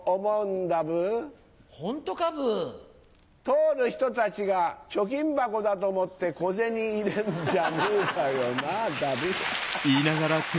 通る人たちが貯金箱だと思って小銭入れるんじゃねえかよなだブ。